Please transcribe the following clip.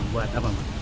buat apa mbak